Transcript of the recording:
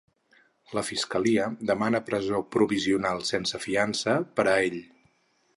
La fiscalia demana presó provisional sense fiança per a ell.